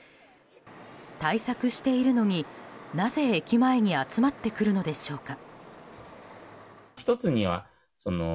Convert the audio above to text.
対策しているのになぜ駅前に集まってくるのでしょうか？